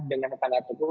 dengan ikan ikan tuku